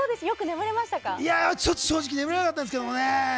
いや、正直眠れなかったんですけどね。